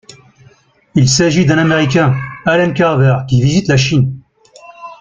Il s'agit d'un américain, Allen Carver, qui visite la Chine.